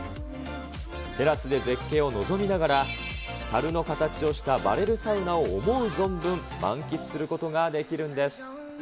テラスで絶景を望みながら、たるの形をしたバレルサウナを思う存分満喫することができるんです。